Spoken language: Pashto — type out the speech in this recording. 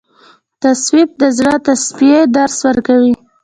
تصوف د زړه د تصفیې درس ورکوي.